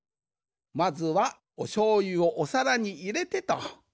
まずはおしょうゆをおさらにいれてと。